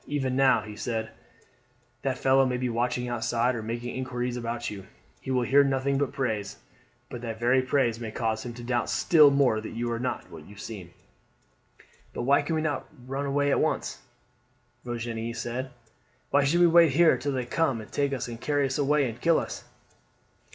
"Even now," he said, "that fellow may be watching outside or making inquiries about you. He will hear nothing but praise; but that very praise may cause him to doubt still more that you are not what you seem." "But why can we not run away at once?" Virginie said. "Why should we wait here till they come and take us and carry us away and kill us?"